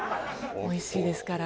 おいしいですから。